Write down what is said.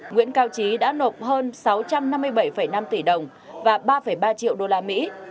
nguyễn cao trí đã nộp hơn sáu trăm năm mươi bảy năm tỷ đồng và ba ba triệu đô la mỹ